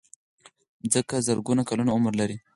مځکه زرګونه کلونه عمر لري.